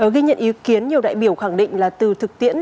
ghi nhận ý kiến nhiều đại biểu khẳng định là từ thực tiễn